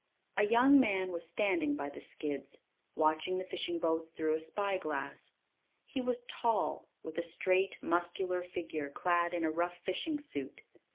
A young man was standing by the skids, watching the fishing boats through a spyglass. He was tall, with a straight, muscular figure clad in a rough fishing suit.